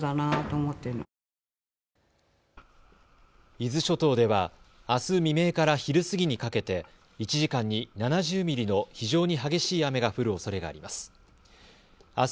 伊豆諸島ではあす未明から昼過ぎにかけて１時間に７０ミリの非常に激しい雨が降るおそれがあります。